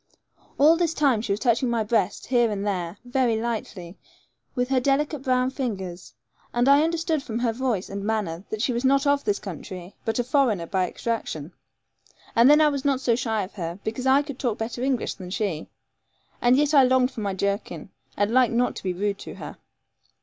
All this time she was touching my breast, here and there, very lightly, with her delicate brown fingers, and I understood from her voice and manner that she was not of this country, but a foreigner by extraction. And then I was not so shy of her, because I could talk better English than she; and yet I longed for my jerkin, but liked not to be rude to her.